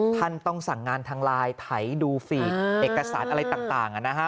ท่านต้องสั่งงานทางไลน์ไถดูฟีดเอกสารอะไรต่างนะฮะ